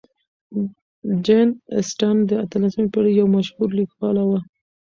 جین اسټن د اتلسمې پېړۍ یو مشهورې لیکواله وه.